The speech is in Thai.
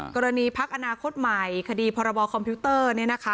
กรณีพักอนาคตใหม่คดีพรบคอมพิวเตอร์